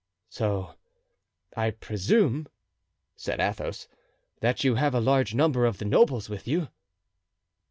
"So I presume," said Athos, "that you have a large number of the nobles with you?"